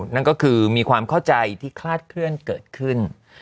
นั่นก็คือมีความเข้าใจที่คลาดเคลื่อนเกิดขึ้น